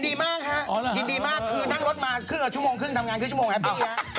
ยินดีมากค่ะยินดีมากคือนั่งรถมาชั่วโมงครึ่งทำงานคือชั่วโมงแอปปี้ครับ